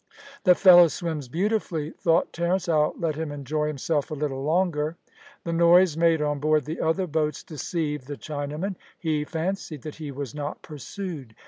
"The fellow swims beautifully," thought Terence, "I'll let him enjoy himself a little longer." The noise made on board the other boats deceived the Chinaman. He fancied that he was not pursued.